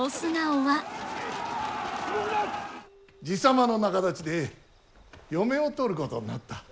爺様の仲立ちで嫁を取ることになった。